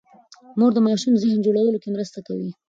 مور د ماشوم ذهن جوړولو کې مرسته کوي.